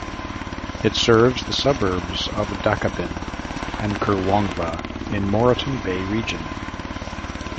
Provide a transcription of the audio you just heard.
It serves the suburbs of Dakabin and Kurwongbah in the Moreton Bay Region.